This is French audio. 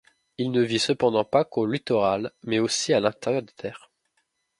Il ne vit cependant pas qu'au littoral, mais aussi à l'intérieur des terres.